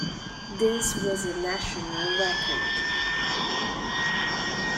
This was a national record.